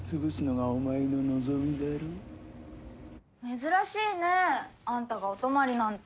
珍しいねあんたがお泊まりなんて。